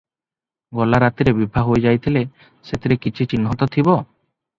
ଗଲା ରାତିରେ ବିଭା ହୋଇ ଯାଇଥିଲେ ସେଥିର କିଛି ଚିହ୍ନ ତ ଥିବ ।"